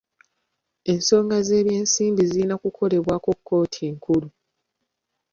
Ensonga z'eby'ensimbi zirina kukolebwako kkooti enkulu.